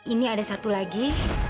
ini ada satu lagi